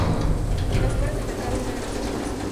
En las afueras del mercado hay una gran zona comercial.